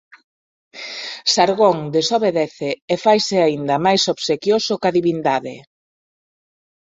Sargón desobedece e faise aínda máis obsequioso coa divindade.